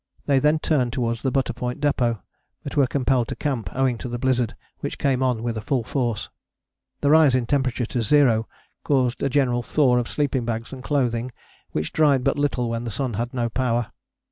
They then turned towards the Butter Point Depôt, but were compelled to camp owing to the blizzard which came on with full force. The rise in temperature to zero caused a general thaw of sleeping bags and clothing which dried but little when the sun had no power.